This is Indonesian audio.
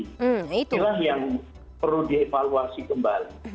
itulah yang perlu dievaluasi kembali